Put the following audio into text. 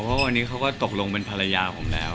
เพราะวันนี้เขาก็ตกลงเป็นภรรยาผมแล้ว